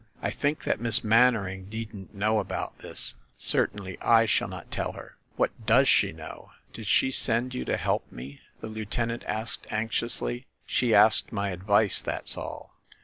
I think that Miss Mannering needn't know about this, certainly I shall not tell her." "What does she know? Did she send you to help me?" the lieutenant asked anxiously. "She asked my advice, that's all.